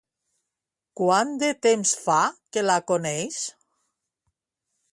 Quant de temps fa que la coneix?